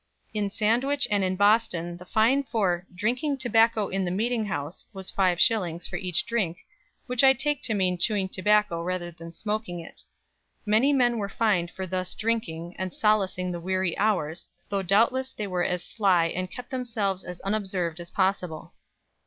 In Sandwich and in Boston the fine for 'drinking tobacco in the meeting house' was 5s. for each drink, which I take to mean chewing tobacco rather than smoking it; many men were fined for thus drinking, and solacing the weary hours, though doubtless they were as sly and kept themselves as unobserved as possible.